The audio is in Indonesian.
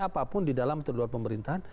apapun di dalam atau di luar pemerintahan